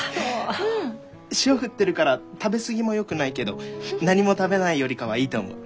塩振ってるから食べ過ぎもよくないけど何も食べないよりかはいいと思う。